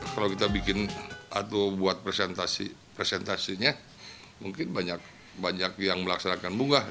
kalau kita bikin atau buat presentasi presentasinya mungkin banyak yang melaksanakan bunga